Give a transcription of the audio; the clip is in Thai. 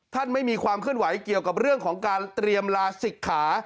ไม่มีความเคลื่อนไหวเกี่ยวกับเรื่องของการเตรียมลาศิกขา